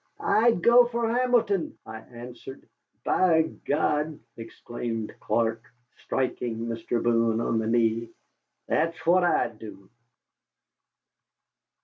"I'd go for Hamilton," I answered. "By God!" exclaimed Clark, striking Mr. Boone on the knee, "that's what I'd do."